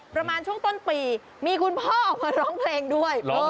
ประมาณช่วงต้นปีมีคุณพ่อออกมาร้องเพลงด้วย